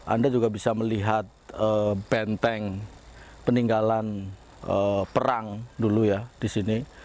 anda juga bisa melihat benteng peninggalan perang dulu ya di sini